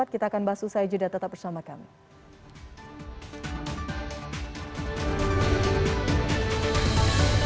kita akan bahas itu saja dan tetap bersama kami